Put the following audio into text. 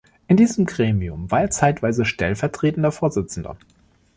In diesem Gremium war er zeitweise stellvertretender Vorsitzender.